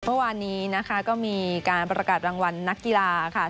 เมื่อวานนี้นะคะก็มีการประกาศรางวัลนักกีฬาค่ะ